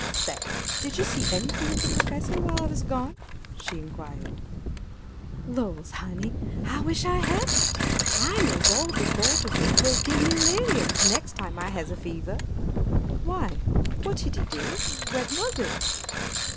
"Say! did you see anything of the professor while I was gone?" she inquired. "Lors, honey, I wish I hadn't! I knows how de thought of it will give me 'liriums nex' time I has a fever." "Why? What did he do? When was it?"